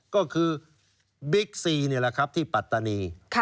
ก็คือบิ๊กซีนี่แหละครับที่ปัตตานี